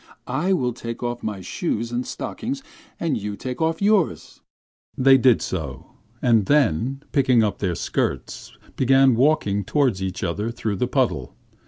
I will take off my shoes and stockings, and you take off yours.' They did so; and then, picking up their skirts, began walking towards each other through the puddle.